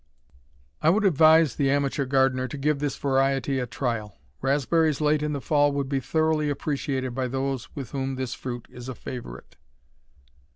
I would advise the amateur gardener to give this variety a trial. Raspberries late in the fall would be thoroughly appreciated by those with whom this fruit is a favorite.